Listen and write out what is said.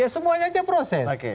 ya semuanya saja proses